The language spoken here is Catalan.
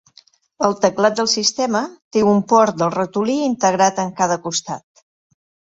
El teclat del sistema té un port del ratolí integrat en cada costat.